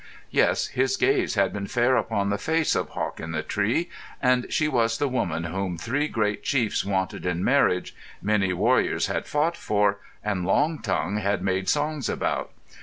Yes, his gaze had been fair upon the face of Hawk in the Tree, and she was the woman whom three great chiefs wanted in marriage, many warriors had fought for, and Long Tongue had made songs about.